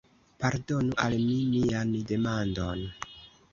Pardonu al mi mian demandon!